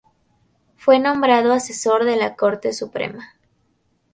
Fue nombrado asesor de la Corte Suprema.